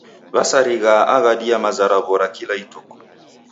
W'asarighaa aghadi ya maza raw'o ra kila ituku.